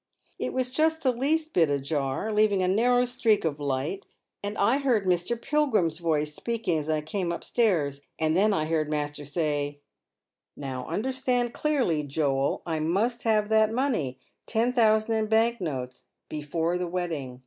It was just the least bit ajar, leaving a nan ow streak of light, and I heard Mr. Pilgrim's voice speaking as I came up stairs, and then I heard master say, ' Now understand clearly, Joel, I must have that money — ten thousand in bank notes — before the wedding.